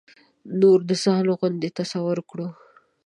نور د ځان غوندې تصور کړو.